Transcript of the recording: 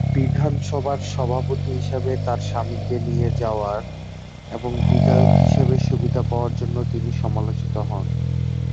বিধানসভার সভাপতি হিসাবে তাঁর স্বামীকে নিয়ে যাওয়ার এবং বিধায়ক হিসাবে সুবিধা পাওয়ার জন্য তিনি সমালোচিত হন।